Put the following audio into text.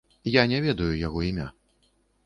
Я не ведаю яго імя.